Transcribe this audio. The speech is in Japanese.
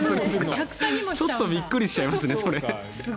ちょっとびっくりしちゃいますねそれ。